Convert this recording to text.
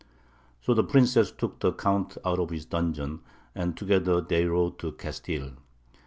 So the princess took the Count out of his dungeon, and together they rode to Castile.